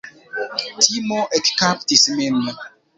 Timo ekkaptis min.